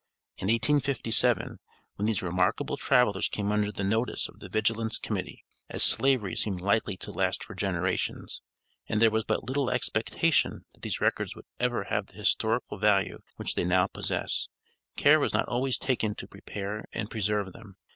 In 1857, when these remarkable travelers came under the notice of the Vigilance Committee, as Slavery seemed likely to last for generations, and there was but little expectation that these records would ever have the historical value which they now possess, care was not always taken to prepare and preserve them.